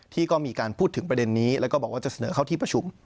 ที่ก็มีการพูดถึงประเด็นนี้แล้วก็บอกว่าจะเสนอเข้าที่ประชุม